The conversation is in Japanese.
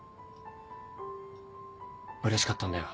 うれしかったんだよ